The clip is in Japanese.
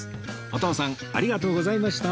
お父さんありがとうございました